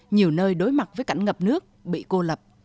nhiều nơi đối mặt với cảnh ngập nước bị cô lập